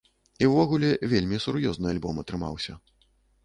І ўвогуле, вельмі сур'ёзны альбом атрымаўся.